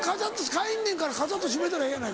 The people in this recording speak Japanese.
帰んねんからカチャとしめたらええやないか。